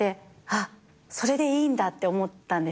あっそれでいいんだって思った。